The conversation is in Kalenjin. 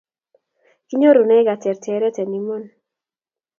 Kinyorune katerteret en iman